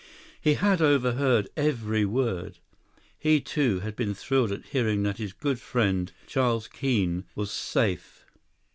He had overheard every word. He, too, had been thrilled at hearing that his good friend, Charles Keene, was safe.